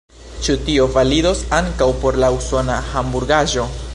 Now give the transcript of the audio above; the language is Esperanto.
Ĉu tio validos ankaŭ por la usona hamburgaĵo?